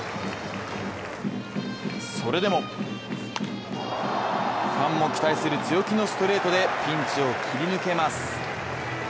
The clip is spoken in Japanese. それでもファンも期待する強気のストレートでピンチを切り抜けます。